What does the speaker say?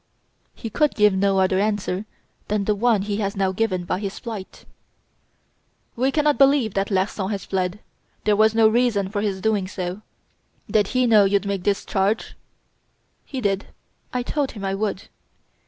"He could give no other answer than the one he has now given by his flight." "We cannot believe that Larsan has fled. There was no reason for his doing so. Did he know you'd make this charge?" "He did. I told him I would."